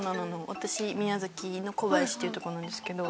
私宮崎の小林という所なんですけど。